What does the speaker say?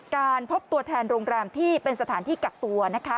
การพบตัวแทนโรงแรมที่เป็นสถานที่กักตัวนะคะ